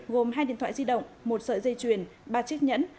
gồm hai điện thoại di động một sợi dây chuyền ba chiếc nhẫn